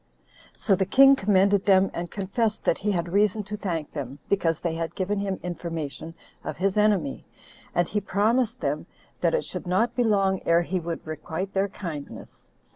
So the king commended them, and confessed that he had reason to thank them, because they had given him information of his enemy; and he promised them, that it should not be long ere he would requite their kindness.